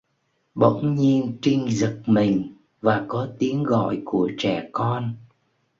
Bỗng nhiên Trinh giật mình và có tiếng gọi của trẻ con